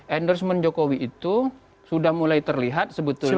endorsement jokowi itu sudah mulai terlihat sebetulnya